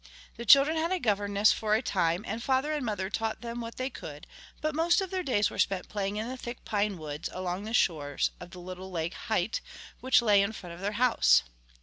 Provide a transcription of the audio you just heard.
The children had a governess for a time, and father and mother taught them what they could, but the most of their days were spent playing in the thick pine woods along the shore of the little Lake Hytt which lay in front of their house.